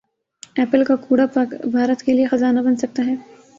apple کا کوڑا بھارت کیلئے خزانہ بن سکتا ہے